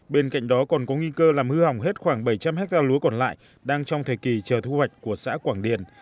bên cạnh đó còn có nghi cơ làm hư hỏng hết khoảng bảy trăm linh hectare lúa còn lại đang trong thời kỳ chờ thu hoạch của xã quảng điền